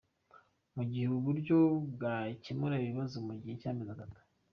Mu gihe ubu buryo bwakemura ikibazo mu gihe cy’amezi atatu.